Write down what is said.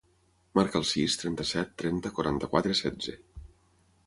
Marca el sis, trenta-set, trenta, quaranta-quatre, setze.